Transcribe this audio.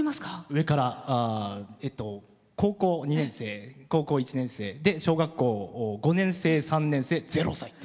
上から高校２年生高校１年生小学校５年生、３年生０歳と。